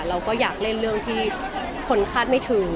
เราก็อยากเล่นเรื่องที่คนคาดไม่ถึง